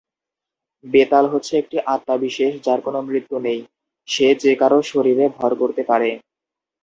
বেতাল হচ্ছে একটা আত্মা বিশেষ যার কোনো মৃত্যু নেই, সে যে কারো শরীরে ভর করতে পারে।